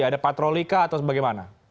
ada patroli kah atau bagaimana